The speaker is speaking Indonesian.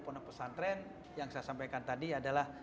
pondok pesantren yang saya sampaikan tadi adalah